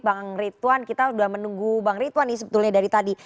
bang ritwan kita sudah menunggu bang ritwan nih sebetulnya dari tadi